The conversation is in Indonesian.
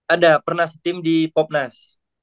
ada pernah se team di popnas